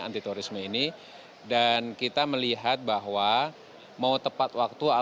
antitorisme ini dan kita melihat bahwa mau tepat waktu